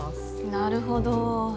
なるほど。